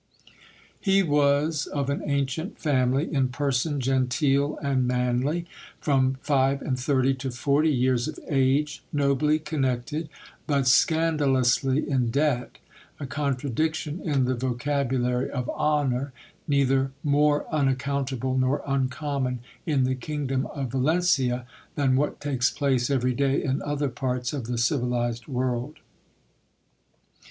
He was of an ancient family, in person genteel and manly, from five and thirty to forty years of age, nobly connected, but scandalously in debt ; a contradiction in the vocabulary of honour, neither more unaccountable nor uncommon in the kingdom of Valencia, than what takes place every day in other parts of the civilized world.